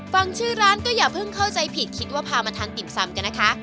ฟังชื่อร้านก็อย่าเพิ่งเข้าใจผิดคิดว่าพามาทานติ่มซำกันนะคะ